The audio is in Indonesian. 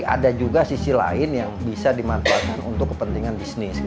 ada juga sisi lain yang bisa dimanfaatkan untuk kepentingan bisnis